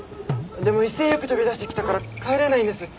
でも威勢よく飛び出してきたから帰れないんです。